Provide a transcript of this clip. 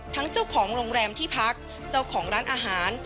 เจ้าของโรงแรมที่พักเจ้าของร้านอาหาร